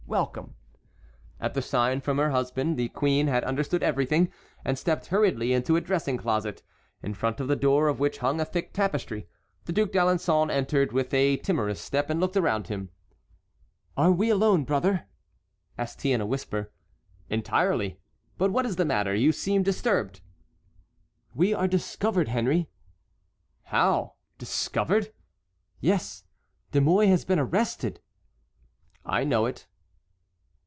Welcome." At the sign from her husband the queen had understood everything, and stepped hurriedly into a dressing closet, in front of the door of which hung a thick tapestry. The Duc d'Alençon entered with a timorous step and looked around him. "Are we alone, brother?" asked he in a whisper. "Entirely. But what is the matter? You seem disturbed." "We are discovered, Henry." "How?—discovered?" "Yes, De Mouy has been arrested." "I know it."